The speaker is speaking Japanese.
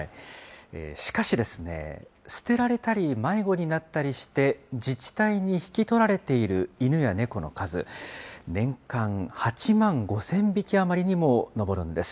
しかしですね、捨てられたり、迷子になったりして、自治体に引き取られている犬や猫の数、年間８万５０００匹余りにも上るんです。